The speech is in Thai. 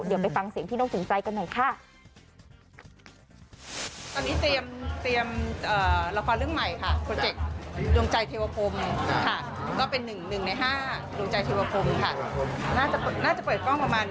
เดี๋ยวไปฟังเสียงพี่นกสินใจกันหน่อยค่ะ